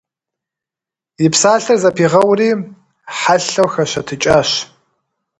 И псалъэр зэпигъэури, хьэлъэу хэщэтыкӀащ.